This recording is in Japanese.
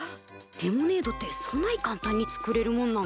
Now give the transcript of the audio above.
レモネードってそない簡単に作れるもんなんか。